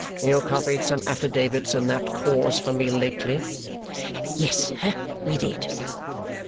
"You copied some affidavits in that cause for me lately." "Yes, sir, we did."